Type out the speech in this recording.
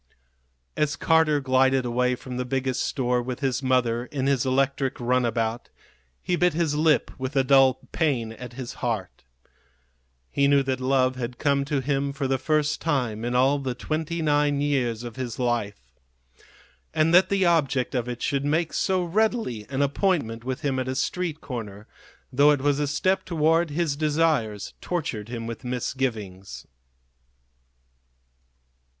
As Carter glided away from the Biggest Store with his mother in his electric runabout, he bit his lip with a dull pain at his heart. He knew that love had come to him for the first time in all the twenty nine years of his life. And that the object of it should make so readily an appointment with him at a street corner, though it was a step toward his desires, tortured him with misgivings.